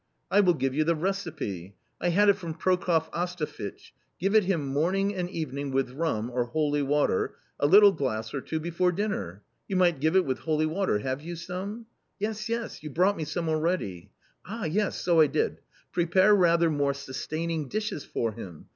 I will give you the receipt ; I had it from Prokoff Astafich ; give it him morning and evening with mm or holy water, a little glass or two, before dinner. You might give it with holy water, have you some ?"" Yes, yes ; you brought me some already.' "Ah, yes, so I did. Prepare rather more sustaining dishes for him.